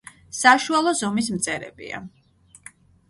საშუალო ზომის მწერებია.